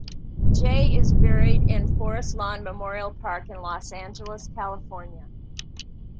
Jay is buried in Forest Lawn Memorial Park in Los Angeles, California.